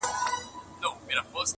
ټولنه چوپتيا ته ترجېح ورکوي تل,